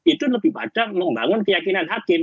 itu lebih pada membangun keyakinan hakim